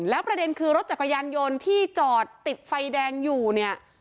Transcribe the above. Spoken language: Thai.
แล้วประเด็นคือรถจักรยานยนต์ที่จอดติดไฟแดงอยู่เนี่ย